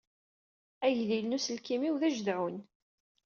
Agdil n uselkim-iw d ajedɛun.